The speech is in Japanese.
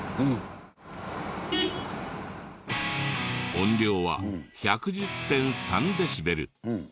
音量は１１０．３デシベル。